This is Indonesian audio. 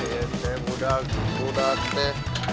wah ini muda muda gede